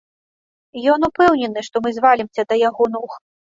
Ён упэўнены, што мы звалімся да яго ног.